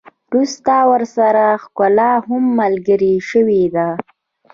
وروسته ورسره ښکلا هم ملګرې شوې ده.